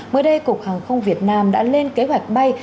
mới đây cục hàng không việt nam đã lên kế hoạch bay